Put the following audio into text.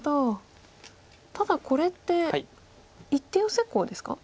ただこれって一手ヨセコウですか？